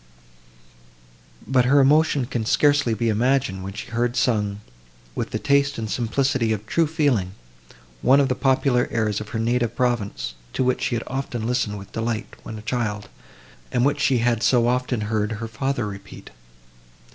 ]) But her emotion can scarcely be imagined, when she heard sung, with the taste and simplicity of true feeling, one of the popular airs of her native province, to which she had so often listened with delight, when a child, and which she had so often heard her father repeat!